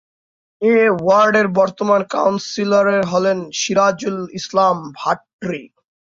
এ ওয়ার্ডের বর্তমান কাউন্সিলর হলেন সিরাজুল ইসলাম ভাট্রি।